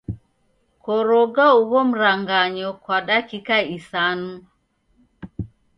Koroga ugho mranganyo kwa dakika isanu.